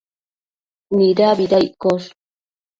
Nidabida iccosh?